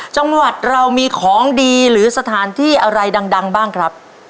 จังหวัดเรามีของดีหรือสถานที่อะไรดังบ้างครับ